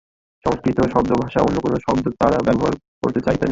সংস্কৃত শব্দ ছাড়া অন্য কোনো শব্দ তাঁরা ব্যবহার করতে চাইতেন না।